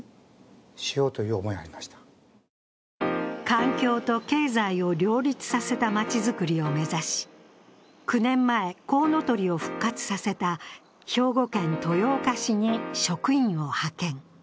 環境と経済を両立させたまちづくりを目指し、９年前、コウノトリを復活させた兵庫県豊岡市に職員を派遣。